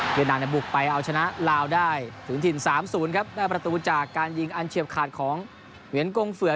นามบุกไปเอาชนะลาวได้ถึงถิ่น๓๐ครับได้ประตูจากการยิงอันเฉียบขาดของเหวียนกงเฟือก